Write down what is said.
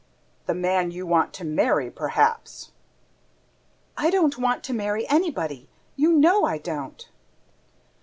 "The man you want to marry, perhaps!" "I don't want to marry anybody, you know I don't."